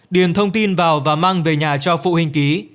điền thông tin vào và mang về nhà cho phụ huynh ký